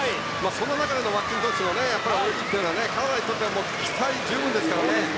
その中でのマッキントッシュの泳ぎというのはカナダにとっては期待十分ですからね。